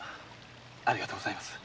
ありがとうございます。